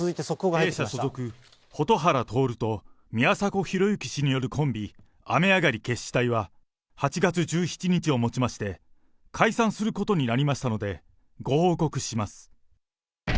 弊社所属、蛍原徹と宮迫博之氏によるコンビ、雨上がり決死隊は８月１７日をもちまして、解散することになりましたので、ご報告します。